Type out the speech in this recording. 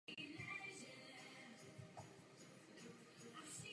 Galerie a lucerna mají červenou barvu.